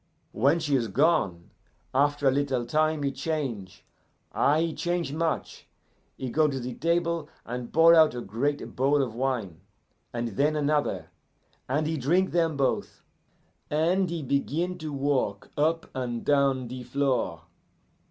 "When she is gone, after a little time he change ah, he change much, he go to a table and pour out a great bowl of wine, and then another, and he drink them both, and he begin to walk up and down the floor.